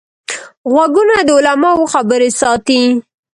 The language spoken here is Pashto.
غوږونه د علماوو خبرې ساتي